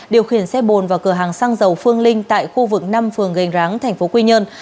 điều khiển xe bồn vào cửa hàng xăng dầu phương linh tại khu vực năm phường gành ráng tp quy nhơn